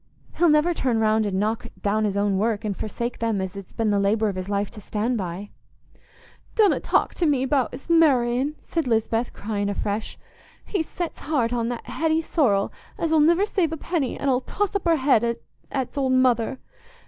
He'll never turn round and knock down his own work, and forsake them as it's been the labour of his life to stand by." "Donna talk to me about's marr'in'," said Lisbeth, crying afresh. "He's set's heart on that Hetty Sorrel, as 'ull niver save a penny, an' 'ull toss up her head at's old mother.